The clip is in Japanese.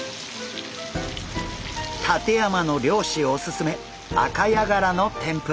館山の漁師おすすめアカヤガラの天ぷら！